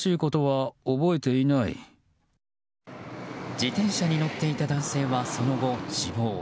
自転車に乗っていた男性はその後、死亡。